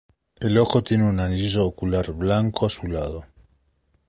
El ojo tien un anillo ocular blanco azulado.